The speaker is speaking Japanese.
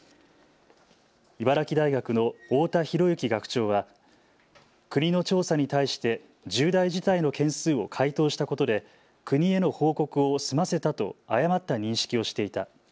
茨城大学の太田寛行学長は国の調査に対して重大事態の件数を回答したことで国への報告を済ませたと誤った認識をしていた。